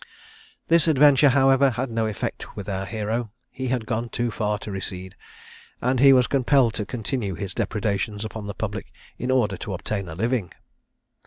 This adventure, however, had no effect with our hero. He had gone too far to recede, and he was compelled to continue his depredations upon the public, in order to obtain a living.